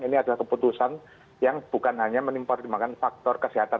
ini adalah keputusan yang bukan hanya menimpar dimakan faktor kesehatan